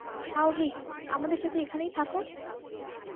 শাওহেই, আমাদের সাথে এখানেই থাকো?